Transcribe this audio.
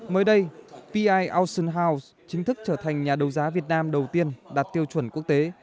mới đây p i austin house chính thức trở thành nhà đấu giá việt nam đầu tiên đạt tiêu chuẩn quốc tế